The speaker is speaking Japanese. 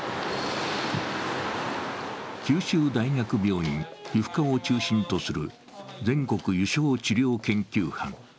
九州大学病院皮膚科を中心とする全国油症治療研究班。